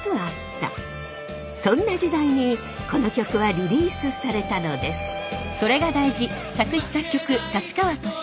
そんな時代にこの曲はリリースされたのです。